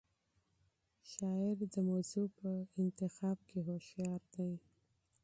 شاعر د موضوع په انتخاب کې هوښیار دی.